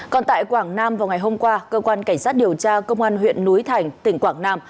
còn tại quảng nam vào ngày hôm qua cơ quan cảnh sát điều tra công an huyện núi thành tỉnh quảng nam